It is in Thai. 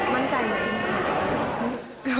มั่งใจหมดจริงค่ะ